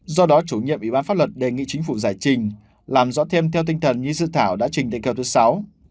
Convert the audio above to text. do đó chủ nhiệm ủy ban pháp luật đề nghị chính phủ giải trình làm rõ thêm theo tinh thần như dự thảo đã trình đề cao thứ sáu